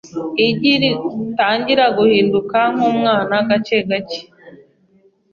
Igi ritangira guhinduka nk’umwana gake gake